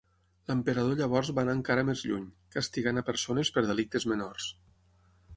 L'emperador llavors va anar encara més lluny, castigant a persones per delictes menors.